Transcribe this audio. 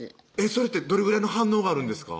それってどれぐらいの反応があるんですか？